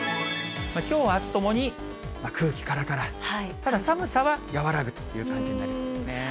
きょう、あすともに空気からから、ただ、寒さは和らぐという感じになりそうですね。